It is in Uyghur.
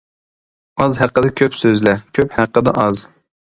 ئاز ھەققىدە كۆپ سۆزلە، كۆپ ھەققىدە ئاز.